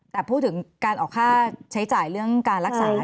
แต่พูดถึงการออกค่าใช้จ่ายเรื่องการรักษา